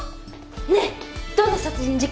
ねえどんな殺人事件？